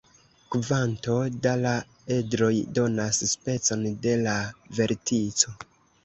Kvanto da la edroj donas specon de la vertico.